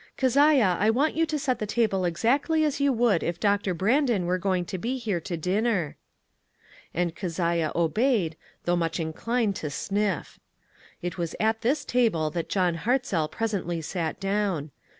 Keziah, I want you to set the table exactly as you would if Doctor Brandon were going to be here to dinner." And Keziah obeyed, though much inclined to sniff. It was at this table that John Hartzell presently sat down.